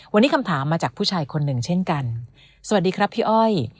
วันนี้คำถามมาจากผู้ชายคนหนึ่งเช่นกันสวัสดีครับพี่อ้อย